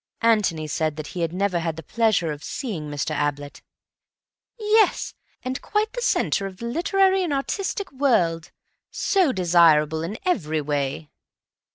Antony said that he had never had the pleasure of seeing Mr. Ablett. "Yes. And quite the centre of the literary and artistic world. So desirable in every way."